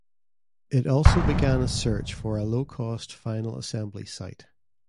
It also began a search for a low-cost final assembly site.